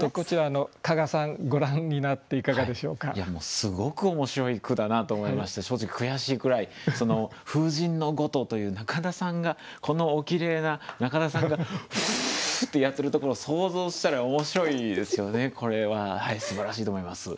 すごく面白い句だなと思いまして正直悔しいくらい「風神のごと」という中田さんがこのおきれいな中田さんが「ふ！」ってやってるところ想像したら面白いですよねこれは。すばらしいと思います。